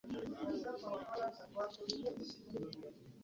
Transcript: Ani asinga okukozesa obwangu kumwe?